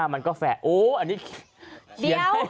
๔๐๕๕มันก็แฝดโอ้อันนี้